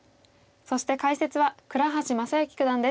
そして解説は倉橋正行九段です。